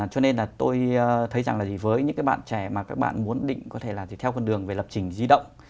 cho nên là tôi thấy rằng là gì với những cái bạn trẻ mà các bạn muốn định có thể là theo con đường về lập trình di động